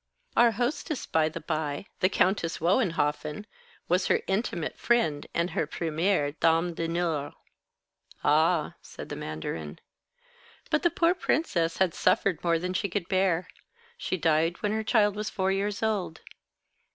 Our hostess, by the by, the Countess Wohenhoffen, was her intimate friend and her première dame d'honneur." "Ah," said the mandarin. "But the poor princess had suffered more than she could bear. She died when her child was four years old.